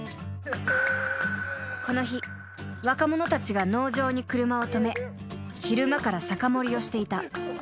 ［この日若者たちが農場に車を止め昼間から酒盛りをしていた］